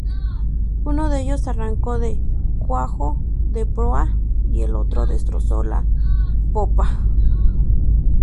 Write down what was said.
Uno de ellos arrancó de cuajo de proa, y el otro destrozó la popa.